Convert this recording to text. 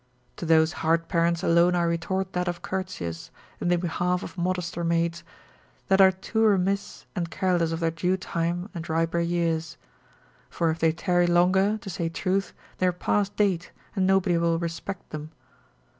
To those hard parents alone I retort that of Curtius, (in the behalf of modester maids), that are too remiss and careless of their due time and riper years. For if they tarry longer, to say truth, they are past date, and nobody will respect them.